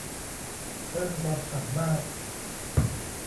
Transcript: เพิ่มความสามารถ